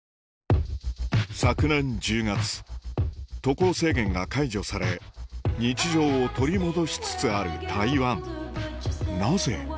昨年１０月渡航制限が解除され日常を取り戻しつつある台湾なぜ？